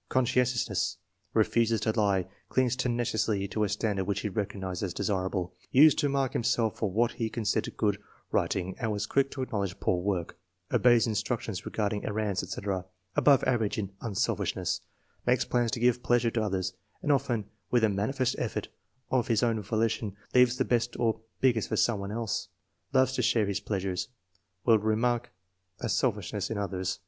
" Conscientious. Refuses to lie. Clings tenaciously to a standard which he recognizes as desirable. Used to mark himself for what he considered good writ ing and was quick to acknowledge poor work. Obeys instructions regarding errands, etc. Above average in unselfishness. Makes plans to give pleasure to others, and often, with a manifest effort, of his own volition leaves the best or biggest for some one else. Loves to share his pleasures. Will remark at selfish ness in others."